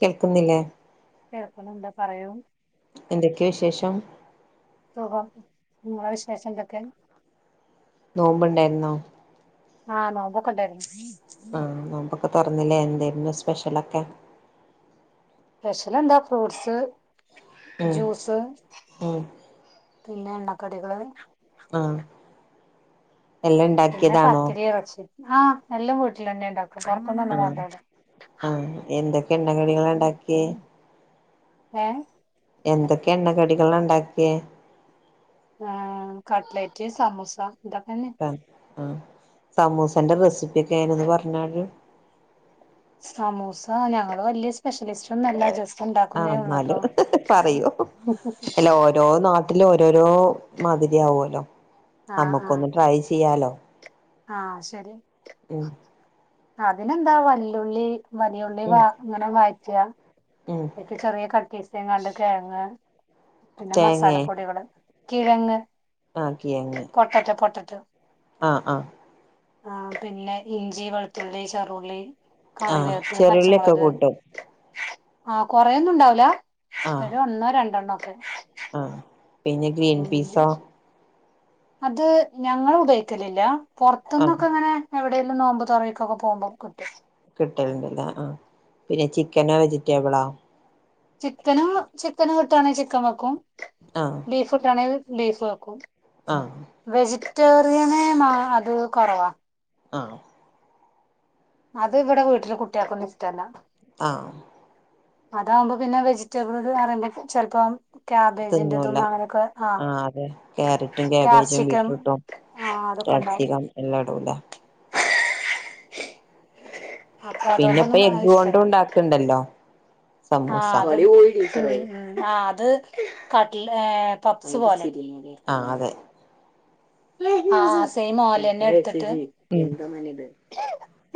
കേള്ക്കുന്നില്ലേ കേൾക്കണണ്ട് പറയാൂ എന്തൊക്കെയ വിശേഷം സുഖം നിങ്ങള വിശേഷം എന്തൊക്കെ നോമ്പണ്ടായിുന്നോ ആഹ് നോമ്പൊക്കെയുണ്ടാർന്നു ആഹ നോമ്പൊക്കെ തുറന്നില്ലേ എന്താരുന്നു സ്പെഷ്യലൊക്കെ സ്പെഷ്യൽ എന്താ ഫ്രൂട്ട്സ് ഉം ജ്യൂസ് ഉം പിന്ന എണ്ണക്കടികള് ആഹ പിന്നെ പത്തിരി ഇറച്ചി ആഹ എല്ലാം വീട്ടില തന്നെണ്ടോ കറപ്പം തന്നെ ആഹ് വണ്ടല്ല ആഹ് എന്തൊക്കെ എണ്ണക്കടികളാ ഉണ്ടാക്കിയേ ഹ എന്തൊക്കെ എണ്ണ കടികള ഇണ്ടാക്കിയ ആഹ കട്ട്ലെറ്റ് സമോസ ആ സമൂസന്റെ റെസിപ്പിയ ഒക്കെ നന്ന് പറഞ്ഞരു സമൂസ ഞങ്ങള് വലിയ സ്പെഷ്യലിസ്റ്റ ഒന്നല്ല ജസ്റ്റ് ആ ഉണ്ടാക്കുന്നേ ഉള്ളൂട്ടോ എന്നാലും പറയൂ അല്ല ഓരോ നാട്ടിലും ഒ രോരോ മാതിരിയാവുമല്ലോ നമ്മുക്കൊന്ന് ട്രൈ ചെയ്യാലോ ആഹ ശരി ഉം അതിനെന്താ വല്ലിയുള്ളി വലിയുള്ളി ഉം വ അങ്ങനെ വയറ്റാ ഉം എ ചെറിയ കട്ടീസങ്ങാണ്ട് കിഴങ്ങ് പിന്നെ മസാല പൊടികള് കിഴങ്ങ് ആ കിഴങ് പൊട്ടറ്റോ ആഹ ആഹ ആഹ പിന്നെ ഇഞ്ചി വെളുത്തുള്ളി ചെറുളി ആഹ് കറിവേപ്പ് ചെറിയുള്ളിയൊക്കെ പച്ചമുളക് കൂട്ടും ആഹ കൊറെയൊന്നും ഉണ്ടാവൂല ഒരു ഒന്നൊ രണ്ടെണ്ണ ഒക്കെ ആ പിന്നെ പിന്നെ ഗ്രീൻപിസൊ അത് ഞങ്ങളു ഉപയോഗിക്കലില്ല ആഹ് പുറത്തന്നൊക്കെ അങ്ങനെ ഇട നോമ്പ് തുറക്കെ പോകുമ്പോ കിട്ടും കിട്ടലുണ്ടല്ലോ ആ പിന്നെ ചിക്കനോ വെജിറ്റബിളോ ചിക്കന ചിക്കന് കിട്ടവാണെങ്കിൽ ചിക്കൻ വെക്കും ആഹ് ബീഫ് കിട്ടയാണെങ്കിൽ ബീഫ് വെക്കും ആഹ് വെജിറ്റേറിയന മാ അത് കുറവാ ആഹ അത് ഇവിടെ വീട്ടില് കുട്ടിയക്കൊന്നും ഇഷ്ടല്ലാ ആഹ അതകുമ്പോ പിന്നെ വെജിറ്റബിൾ വറ ചെിലപ്പോം തിന്നൂല ക്യാബെജിന്റതും അങ്ങനെയൊക്കെ ആഹ ആഹ് അതെ ക്യാരറ്റും ക്യാപ്‌സിക്കാം ആ ക്യാപ്സികം എല്ലാം ഇടുല്ല അപ്പൊ പിന്നെ ഇപ്പോ അതുകൊണ്ടൊന്നും എഗ്ഗ് കൊണ്ടും ഉണ്ടാക്ക്ണ്ടല്ലോ ആത് വളി പോയി [unintelligible] ആഅത് കട്ല പപ്പ്സ് പോലെ ആ അതെ ആ [unintelligible] സൈം ഓലെന്നെ എടുത്തിട്ട് ഉം എന്താ മനേ ഇദ്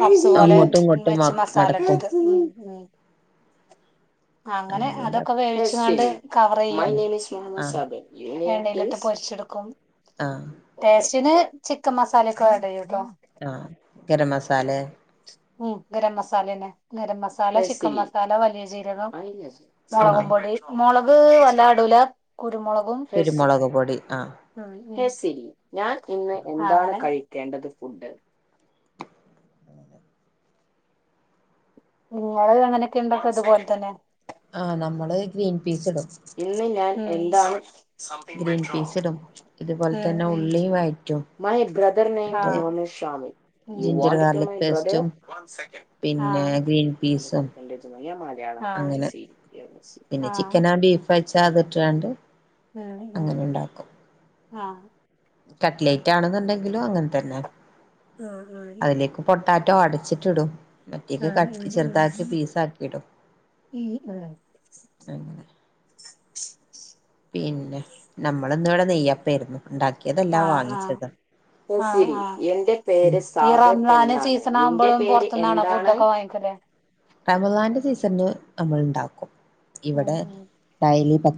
പപ്സ് പോലെ അങ്ങോട്ടും ഇങ്ങോട്ടും മ വെച്ച് മസാല മടക്കും ഇട്ടിട്ട് മ് മ് അങ്ങനെ അതൊക്കെ വേവിച്ചണ്ട് കവർ ചെയ്യും ആഹ് ന്നിട്ട് പൊരിചിട്ക്കും ആ ടേസ്റ്റിന് ചിക്കൻ മസാലൊക്കെആഡ് ചെയ്യും ആ ഗരം മസാലെ ഉം ഗരം മസാലേന്നെ ഗരം മസാല ചിക്കൻ മസാല വലിയ ജീരകം മുളകും ആഹ് പൊടി മുളക് വല്ല ഇടുല കുരുമുളകും മെസി കുരുമുളക് പൊടി ആഹ് ഉം ഉം ജെസിലി ഞാൻ ഇന്ന് എന്താണ് ആണ് കഴിക്കേണ്ടത് ഫുഡ് നിങ്ങള് അങ്ങനൊക്കെ ഉണ്ടക്കെ ഇതുപോലെ തന്നെ ആ നമ്മള് ഗ്രീൻ പീസ് ഇടും ഇന്ന് ഞാൻ ഉം എന്താണ് ഗ്രീൻ പീസിടും ഇതുപോലെ ഉം തന്നെ ഉം ഉള്ളി വയറ്റും മൈ ബ്രദർ നൈം അ മുഹമ്മദ്‌ ശമി ഉം you ginger വൻട് to garlic my brother പേസ്റ്റും വൺ സക്കാന്റ് പിന്നെ ഗ്രീൻ പീസും ഇ ഞാൻ മലയാളം ആഹ് അങ്ങനെ പിന്നെ ആഹ് ചിക്കന ബീഫ ച്ചാ അതി ട്ടാണ്ട് അങ്ങനെ ഉണ്ടാക്കും അ കട്ലൈറ്റ് ആണെന്നുണ്ടെങ്കിലും അങ്ങനത്തെന്നെ അ അ [unintelligible] താറ്റോ അടച്ചിട്ടിടും മറ്റേക്ക് ക ചെറുതാക്കി പീസ ആക്കി ഇടും ഇ അ അങ്ങനെ പിന്നെ നമ്മൾ ഇന്ന് ഇവിടെ നെയ്യപ്പായരുന്നു ഇതല്ലാ വാങ്ങിച്ചതാ അ അ എന്റെ പേര് സാബി നസ്രിരി ഇ റമദാനിന്റെ സീസനാവുമ്പോ എന്റെ പേര് [unintelligible] നാടൻ ഫുഡ് ഒക്കെ വാങ്ങിക്കൂടെ റമളിന്റെ സീസണ് നമ്മൾ ഉണ്ടാക്കും ഇവിടെ ഡയലി പ